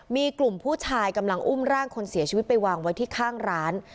มีกลุ่มผู้ชายกำลังอุ้มร่างคนเสียชีวิตไปวางไว้ที่ข้างร้าน